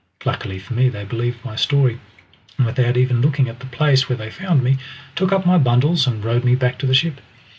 Luckily for me they believed my story, and without even looking at the place where they found me, took up my bundles, and rowed me back to the ship.